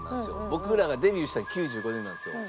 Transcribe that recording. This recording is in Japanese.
僕らがデビューしたの１９９５年なんですよ。